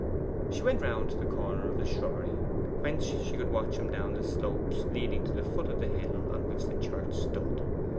She went round to the corner of the shrubbery, whence she could watch him down the slope leading to the foot of the hill on which the church stood.